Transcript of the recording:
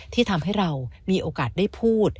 ที่ทำให้เรามีโอกาสได้พูด